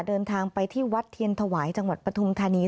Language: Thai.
เดินทางไปที่วัดเทียนถวายจังหวัดปฐุมธานี